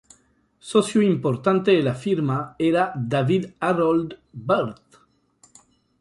Socio importante de la firma era David Harold Byrd.